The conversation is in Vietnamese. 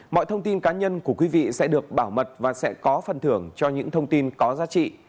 mọi thông tin cá nhân của quý vị sẽ được bảo mật và sẽ có phần thưởng cho những thông tin có giá trị